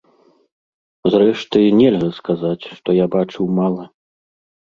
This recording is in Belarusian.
Зрэшты, нельга сказаць, што я бачыў мала.